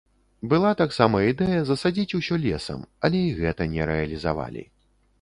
Была таксама ідэя засадзіць усё лесам, але і гэта не рэалізавалі.